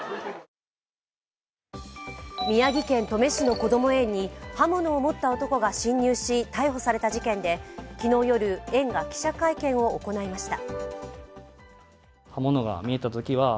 宮城県登米市のこども園に刃物を持った男が侵入し逮捕された事件で昨日夜園が記者会見を行いました。